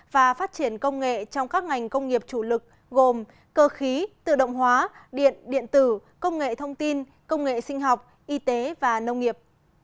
và phát triển công nghệ trong các ngành công nghiệp chủ lực gồm cơ khí tự động hóa điện điện tử công nghệ thông tin công nghệ sinh học y tế và nông nghiệp